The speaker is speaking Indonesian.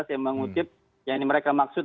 saya mengutip yang ini mereka maksud